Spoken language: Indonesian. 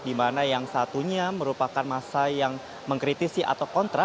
dimana yang satunya merupakan masa yang mengkritisi atau kontra